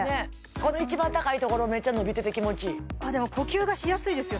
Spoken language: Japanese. この一番高いところめっちゃ伸びてて気持ちいいでも呼吸がしやすいですよ